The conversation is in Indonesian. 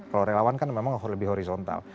kalau relawan kan memang lebih horizontal